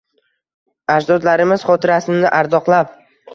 Ajdodlarimiz xotirasini ardoqlab